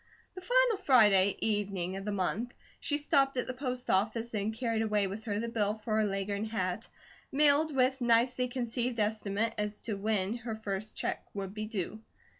The final Friday evening of the month, she stopped at the post office and carried away with her the bill for her Leghorn hat, mailed with nicely conceived estimate as to when her first check would be due.